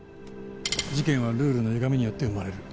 事件はルールの歪みによって生まれる。